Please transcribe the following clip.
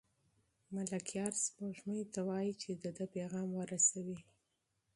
ملکیار سپوږمۍ ته وايي چې د ده پیغام ورسوي.